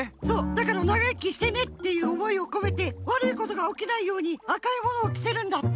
だから「ながいきしてね」っていうおもいをこめてわるいことがおきないように赤いものをきせるんだって。